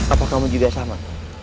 apa kamu juga sama